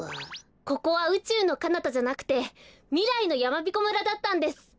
ここはうちゅうのかなたじゃなくてみらいのやまびこ村だったんです。